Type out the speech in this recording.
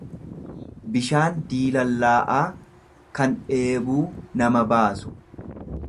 bishaan diilallaa'aa, kan dheebuu nama baasu.